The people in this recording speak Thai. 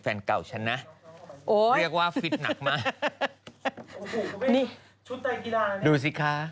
แฟนเก่าฉันนะโอ้ยเรียกว่าฟิตหนักมากนี่ชุดไตรกีฬาเนี้ยดูสิค่ะ